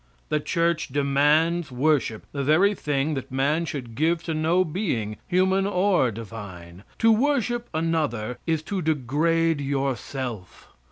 The church demands worship, the very thing that man should give to no being, human or divine. To worship another is to degrade yourself.